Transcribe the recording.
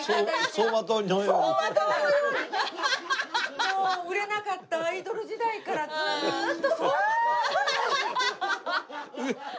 もう売れなかったアイドル時代からずっと走馬灯のように。